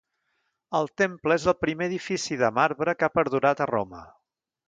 El temple és el primer edifici de marbre que ha perdurat a Roma.